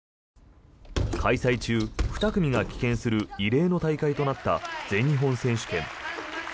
開催中、２組が棄権する異例の大会となった全日本選手権。